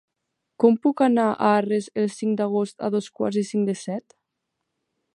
Com puc anar a Arres el cinc d'agost a dos quarts i cinc de set?